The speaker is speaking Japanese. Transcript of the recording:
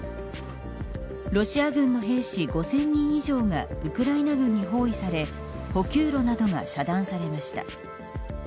ロシア軍の兵士５０００人以上がウクライナ軍に包囲され補給路などが遮断されました。